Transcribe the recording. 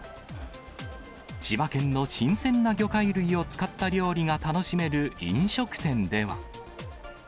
千葉県の新鮮な魚介類を使った料理が楽しめる飲食店では。